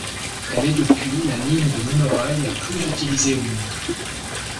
Elle est depuis la ligne de monorail la plus utilisée au monde.